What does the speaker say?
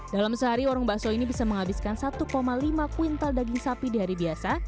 dalam sehari orang bakso ini bisa menghabiskan satu lima kuintal daging sapi di hari biasa